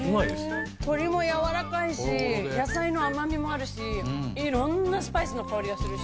鶏もやわらかいし野菜の甘みもあるし色んなスパイスの香りがするし。